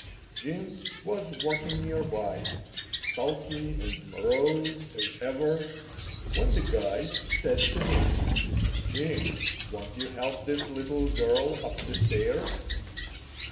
Jim was working near by, sulky and morose as ever, when the guide said to him: "Jim, won't you help this little girl up the stairs?"